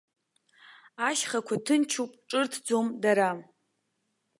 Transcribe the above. Ашьхақәа ҭынчуп, ҿырҭӡом дара.